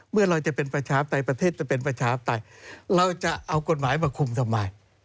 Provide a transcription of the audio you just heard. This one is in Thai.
เมื่อเราจะเป็นประชาปไตยประเทศจะเป็นประชาปไตยเราจะเอากฎหมายมาคุมทำไม